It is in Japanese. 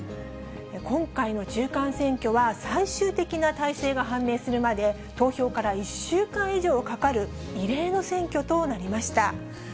今回の中間選挙は、最終的な大勢が判明するまで、投票から１週間以上かかる、異例の選挙となりました。